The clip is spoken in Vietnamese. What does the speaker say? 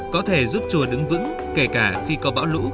có thể giúp chùa đứng vững kể cả khi có bão lũ